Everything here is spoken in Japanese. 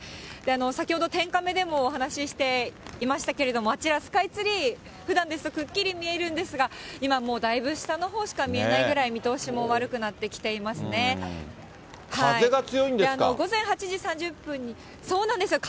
先ほど天カメでもお話していましたけれども、あちらスカイツリー、ふだんですと、くっきり見えるんですが、今もうだいぶ下のほうしか見えないぐらい、見通しも悪くなってき風が強いんですか。